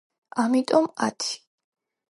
ამიტომ — ათი.